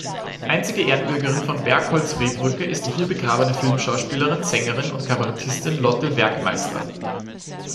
Einzige Ehrenbürgerin von Bergholz-Rehbrücke ist die hier begrabene Filmschauspielerin, Sängerin und Kabarettistin Lotte Werkmeister.